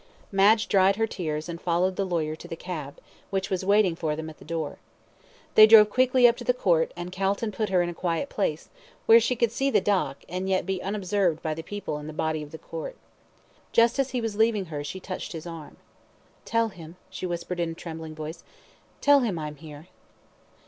Madge dried her tears, and followed the lawyer to the cab, which was waiting for them at the door. They drove quickly up to the Court, and Calton put her in a quiet place, where she could see the dock, and yet be unobserved by the people in the body of the Court. Just as he was leaving her she touched his arm. "Tell him," she whispered, in a trembling voice, "tell him I am here."